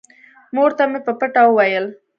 مور ته مې په پټه وويل.